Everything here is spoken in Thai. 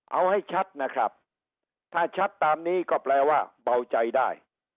เอาให้ชัดนะครับถ้าชัดตามนี้ก็แปลว่าเบาใจได้